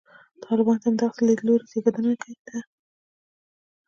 طالبان د همدغسې لیدلوري زېږنده دي.